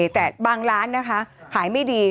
แต่บางร้านนะคะขายไม่ดี